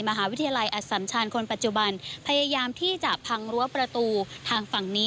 มหาวิทยาลัยอสัมชาญคนปัจจุบันพยายามที่จะพังรั้วประตูทางฝั่งนี้